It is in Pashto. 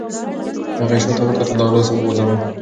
هغې شاته وکتل او لاس یې وخوځاوه.